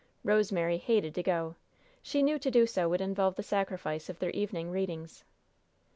Rosemary hated to go. She knew to do so would involve the sacrifice of their evening readings.